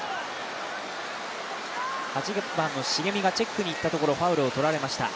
８番の重見がチェックに行ったところ、ファウルを取られました。